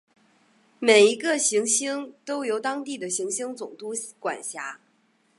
每一个行星都由当地的行星总督管辖。